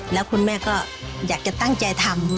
แล้วคุณแม่ก็อยากจะตั้งใจทำ